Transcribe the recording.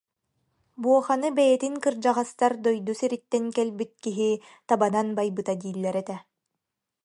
Буоханы бэйэтин кырдьаҕастар дойду сириттэн кэлбит киһи табанан байбыта дииллэр этэ